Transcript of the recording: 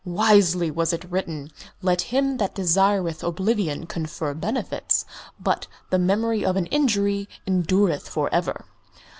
"Wisely was it written: 'Let him that desireth oblivion confer benefits but the memory of an injury endureth for ever.'